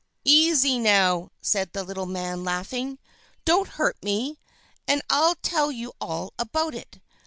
"Easy now!" said the little man, laughing. "Don't hurt me, and I'll tell you all about it.